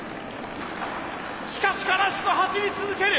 しかし悲しく走り続ける。